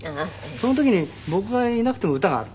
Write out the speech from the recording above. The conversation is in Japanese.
その時に僕がいなくても歌がある。